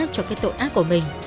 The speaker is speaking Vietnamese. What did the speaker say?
cho cái tội ác của mình